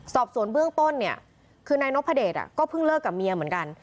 สอบสวนเบื้องต้นเนี่ยคือนายนพเดชก็เพิ่งเลิกกับเมียเหมือนกัน